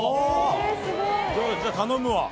じゃあ頼むわ。